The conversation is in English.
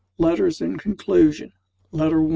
LETTERS IN CONCLUSION. LETTER I.